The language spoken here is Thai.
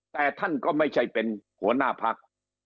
แต่ท่านก็ไม่ใช่เป็นหัวหน้าพัก